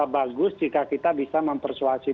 bagus jika kita bisa mempersuasi